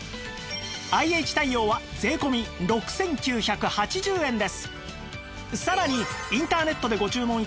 ＩＨ 対応は税込６９８０円です